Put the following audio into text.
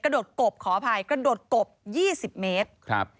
กระดดกบขออภัยกระดดกบ๒๐เมตร